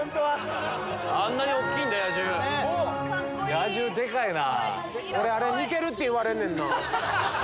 野獣でかいな！